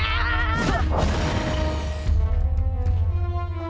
ampun bang ampun